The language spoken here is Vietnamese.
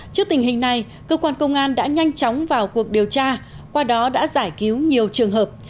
trước tình hình này cơ quan công an đã nhanh chóng vào cuộc điều tra qua đó đã giải cứu nhiều trường hợp